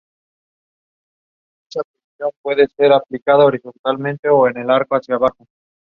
La liga está conformada por dos fases, seguida de un playoff de cuatro equipos.